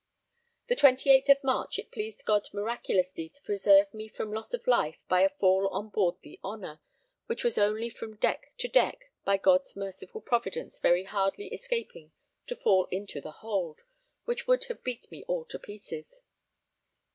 The 28th of March it pleased God miraculously to preserve me from loss of life by a fall on board the Honor, which was only from deck to deck, by God's merciful providence very hardly escaping to fall into the hold, which would have beat me all to pieces.